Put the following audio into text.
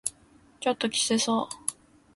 ちょっときつそう